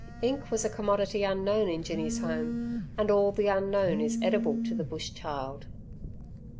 Ink was a commodity unknown in Jinny's home and all the unknown is edible to the bush child.